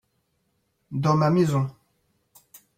dans ma maison.